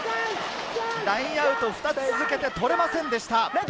ラインアウト、２つ続けて取れませんでした。